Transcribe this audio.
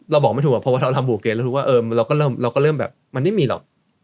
เราบอกไม่ถูกว่าเพราะว่าเราทำบุกเกณฑ์แล้วเราก็เริ่มแบบมันไม่มีหรอก